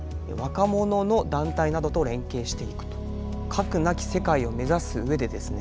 “核なき世界”を目指す上でですね